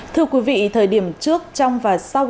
thưa quý vị thời điểm trước trong và sau